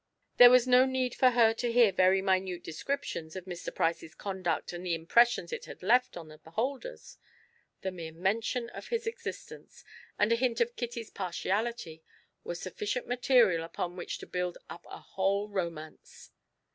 There was no need for her to hear very minute descriptions of Mr. Price's conduct and the impressions it had left on the beholders; the mere mention of his existence, and a hint of Kitty's partiality, were sufficient material upon which to build up a whole romance.